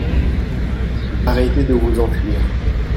Arrêtez de vous enfuir.